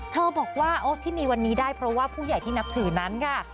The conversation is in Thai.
เธอบอกว่าโอ้ที่มีวันนี้ได้เพราะว่าผู้ใหญ่ที่นับถือนั้นค่ะ